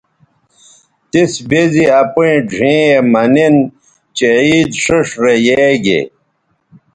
تِس بے زی اپیئں ڙھیئں یے مہ نِن چہء عید ݜیئݜ رے یے گے